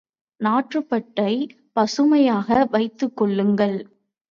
நாட்டுப்பற்றைப் பசுமையாக வைத்துக்கொள்ளுங்கள்.